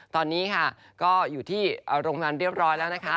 ตอนนี้ค่ะก็อยู่ที่โรงพยาบาลเรียบร้อยแล้วนะคะ